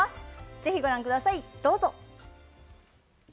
ぜひご覧くださいどうぞ！